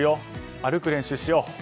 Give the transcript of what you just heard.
歩く練習しよう。